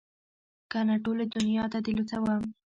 که نه ټولې دونيا ته دې لوڅوم.